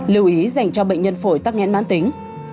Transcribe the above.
lưu ý dành cho bệnh nhân phổi tắc nghẽn mãn tính